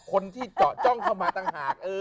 คนที่เจาะจ้องเข้ามาต่างหาก